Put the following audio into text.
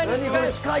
近い！